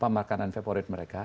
makanan favorit mereka